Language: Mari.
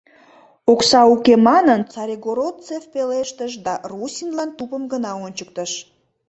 — Окса уке, — манын, Царегородцев пелештыш да Руссинлан тупым гына ончыктыш.